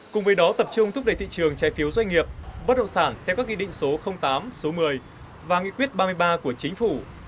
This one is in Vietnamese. cùng với đó tập trung thúc đẩy thị trường trái phiếu doanh nghiệp bất động sản theo các ghi định số tám số một mươi và nghị quyết ba mươi ba của chính phủ